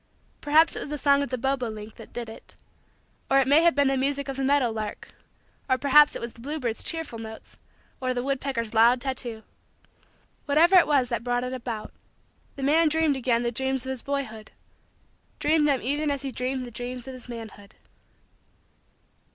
Perhaps it was the song of the bobo link that did it; or it may have been the music of the meadow lark; or perhaps it was the bluebird's cheerful notes, or the woodpecker's loud tattoo whatever it was that brought it about, the man dreamed again the dreams of his boyhood dreamed them even as he dreamed the dreams of his manhood.